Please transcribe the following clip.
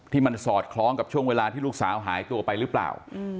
ที่มันสอดคล้องกับช่วงเวลาที่ลูกสาวหายตัวไปหรือเปล่า